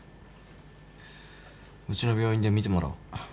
うちの病院で診てもらおう。